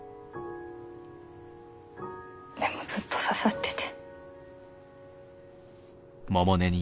でもずっと刺さってて。